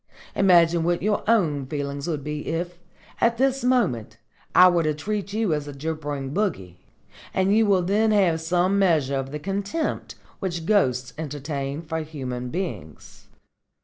Imagine what your own feelings would be if, at this moment, I were to treat you as a gibbering bogey, and you will then have some measure of the contempt which ghosts entertain for human beings."